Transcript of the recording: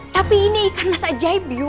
tapi ini ikan mas ajaib